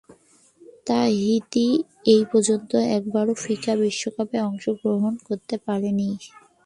Tahiti এপর্যন্ত একবারও FIFA বিশ্বকাপে অংশগ্রহণ করতে পারেনি।